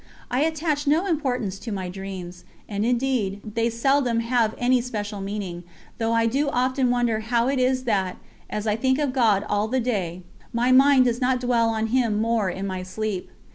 I attach no importance to my dreams, and indeed, they seldom have any special meaning, though I do often wonder how it is that, as I think of God all the day, my mind does not dwell on Him more in my sleep.